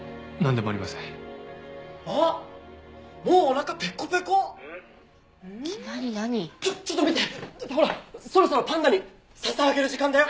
だってほらそろそろパンダに笹をあげる時間だよ！